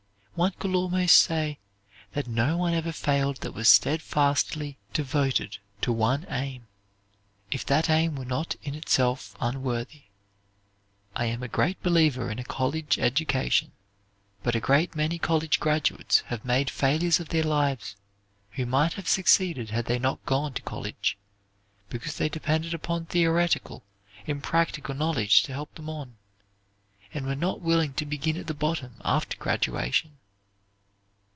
One could almost say that no life ever failed that was steadfastly devoted to one aim, if that aim were not in itself unworthy. I am a great believer in a college education, but a great many college graduates have made failures of their lives who might have succeeded had they not gone to college, because they depended upon theoretical, impractical knowledge to help them on, and were not willing to begin at the bottom after graduation.